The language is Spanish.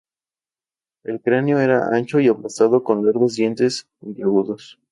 El cráneo era ancho y aplastado, con largos dientes puntiagudos.